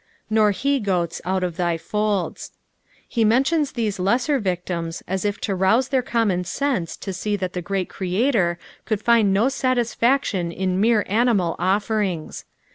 "Nor he goatt out of thy fatdt." He mentions these lesser victims as if to rouse their common sense to see that the great Creator could find no satisfaction in mere animal offerings.